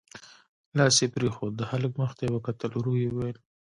لاس يې پرېښود، د هلک مخ ته يې وکتل، ورو يې وويل: